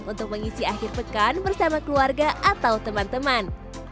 untuk mengisi akhir pekan bersama keluarga atau teman teman